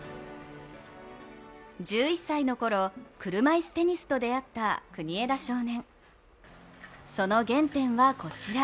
１１歳のころ、車いすテニスとであった国枝少年。